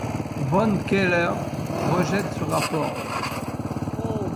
Von Keller rejette ce rapport.